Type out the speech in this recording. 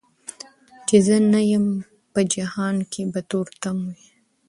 چي زه نه یم په جهان کي به تور تم وي